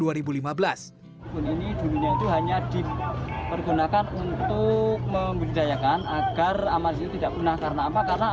ada sebuah kebun yang berbeda dengan kebun yang dikembangkan